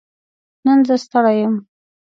نن زه ستړې يم